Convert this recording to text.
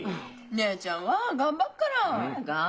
姉ちゃんは頑張っがら。